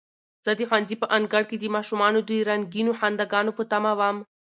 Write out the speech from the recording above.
زه د ښوونځي په انګړ کې د ماشومانو د رنګینو خنداګانو په تمه وم.